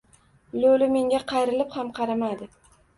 Lo‘li menga qayrilib ham qaramadi.